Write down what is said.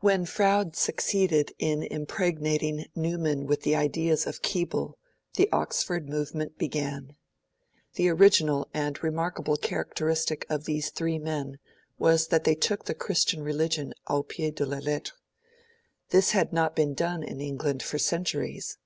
When Froude succeeded in impregnating Newman with the ideas of Keble, the Oxford Movement began. The original and remarkable characteristic of these three men was that they took the Christian Religion au pied de la lettre. This had not been done in England for centuries.